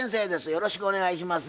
よろしくお願いします。